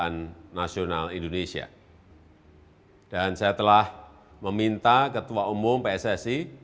dan saya juga ingin mengucapkan terima kasih kepada ketua umum pssi